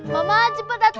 mama cepet atuh